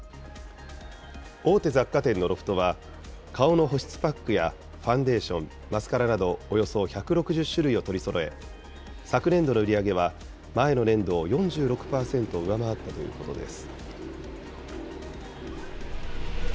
大手雑貨店のロフトは、顔の保湿パックやファンデーション、マスカラなど、およそ１６０種類を取りそろえ、昨年度の売り上げは前の年度を４６％上回ったということです。